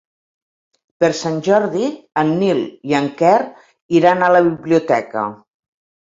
Per Sant Jordi en Nil i en Quer iran a la biblioteca.